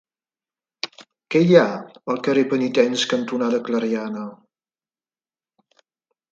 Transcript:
Què hi ha al carrer Penitents cantonada Clariana?